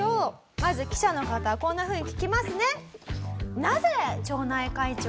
まず記者の方こんなふうに聞きますね。